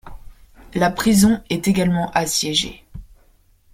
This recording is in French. La prison est également assiégée.